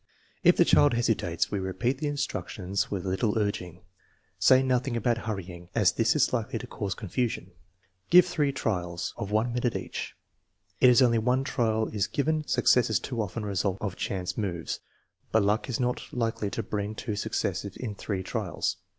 If the child hesitates, we repeat the instructions with a little urging. Say nothing about hurrying, as this is likely to cause confusion. Give three trials, of one minute each. If only one trial is given, success is too often a result of chance moves; but luck is not likely to bring two successes in three trials.